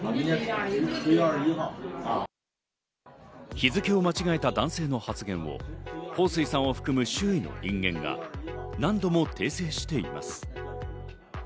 日付を間違えた男性の発言をホウ・スイさんを含む周囲の人間が何度も訂正しています。